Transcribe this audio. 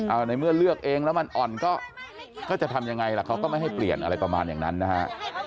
เอาในเมื่อเลือกเองแล้วมันอ่อนก็จะทำยังไงล่ะเขาก็ไม่ให้เปลี่ยนอะไรประมาณอย่างนั้นนะฮะ